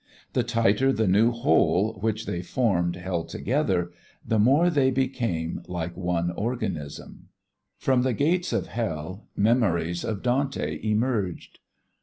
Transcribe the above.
The tighter the new whole which they formed held together, the more they became like one organism. From "The Gates of Hell" memories of Dante emerged.